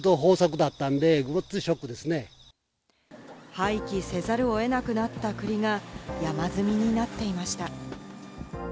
廃棄せざるを得なくなったくりが山積みになっていました。